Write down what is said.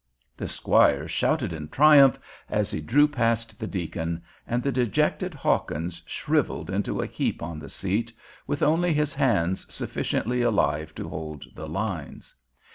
The squire shouted in triumph as he drew past the deacon, and the dejected Hawkins shrivelled into a heap on the seat, with only his hands sufficiently alive to hold the lines.